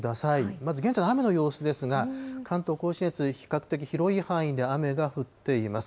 まず現在の雨の様子ですが、関東甲信越、比較的、広い範囲で雨が降っています。